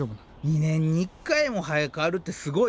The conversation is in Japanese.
２年に１回も生え変わるってすごいね。